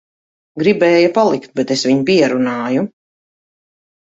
Gribēja palikt, bet es viņu pierunāju.